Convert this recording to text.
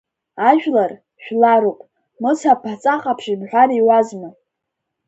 Ажәлар, жәларуп, Мыса аԥаҵа ҟаԥшь имҳәар иуазма.